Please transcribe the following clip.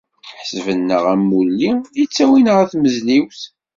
Ḥesben-aɣ am wulli i ttawin ɣer tmezliwt.